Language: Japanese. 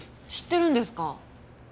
知ってるんですか？